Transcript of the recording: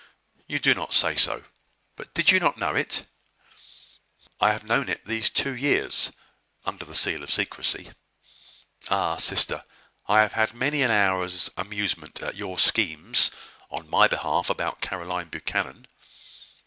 "You do not say so! But you did not know it?" "I have known it these two years, under the seal of secrecy. Ah! sister, I have had many an hour's amusement at your schemes on my behalf about Caroline Buchanan."